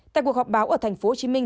tại cuộc họp báo ở thành phố hồ chí minh